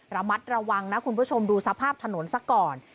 ระมัดระวังนะคุณผู้ชมดูสภาพถนนซะก่อน